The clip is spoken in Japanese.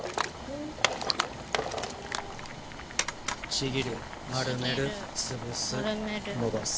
ちぎる丸める潰す延ばす。